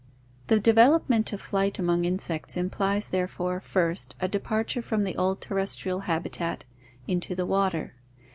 The development of flight among insects implies therefore, first, a departure from the old terrestrial habitat into the water.